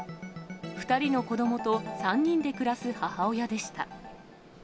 ２人の子どもと３人で暮らす母親でした。